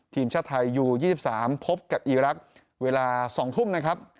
ทีมชาติไทยยูยี่สิบสามพบกับอีลักษณ์เวลาสองทุ่มนะครับ